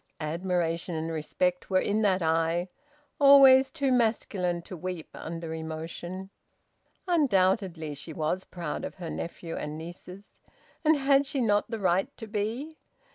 Admiration and respect were in that eye, always too masculine to weep under emotion. Undoubtedly she was proud of her nephew and nieces. And had she not the right to be?